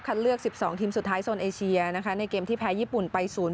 เลือก๑๒ทีมสุดท้ายโซนเอเชียนะคะในเกมที่แพ้ญี่ปุ่นไป๐๘